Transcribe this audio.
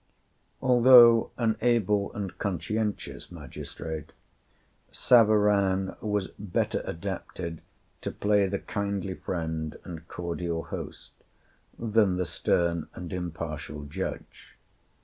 Although an able and conscientious magistrate, Savarin was better adapted to play the kindly friend and cordial host than the stern and impartial judge.